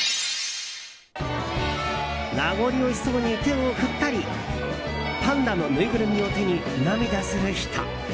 名残惜しそうに手を振ったりパンダのぬいぐるみを手に涙する人。